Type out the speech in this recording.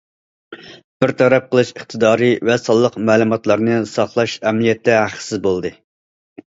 بىر تەرەپ قىلىش ئىقتىدارى ۋە سانلىق مەلۇماتلارنى ساقلاش ئەمەلىيەتتە ھەقسىز بولدى.